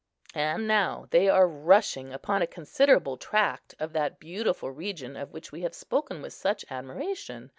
And now they are rushing upon a considerable tract of that beautiful region of which we have spoken with such admiration.